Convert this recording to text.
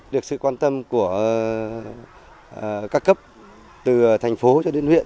được sự quan tâm của các cấp từ thành phố cho đến huyện